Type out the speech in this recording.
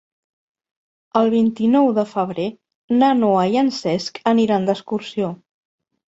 El vint-i-nou de febrer na Noa i en Cesc aniran d'excursió.